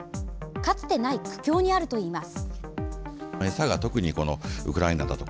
かつてない苦境にあるといいます。